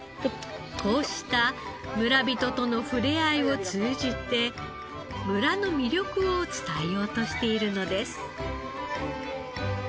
こうした村人との触れ合いを通じて村の魅力を伝えようとしているのです。